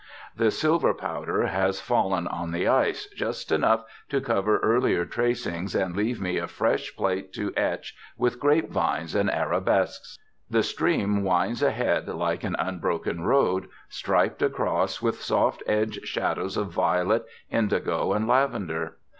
The silver powder has fallen on the ice, just enough to cover earlier tracings and leave me a fresh plate to etch with grapevines and arabesques. The stream winds ahead like an unbroken road, striped across with soft edged shadows of violet, indigo, and lavender.